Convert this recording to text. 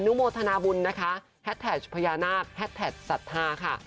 โมทนาบุญนะคะแฮดแท็กพญานาคแฮดแท็กศรัทธาค่ะ